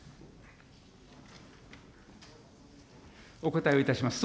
お答えをいたします。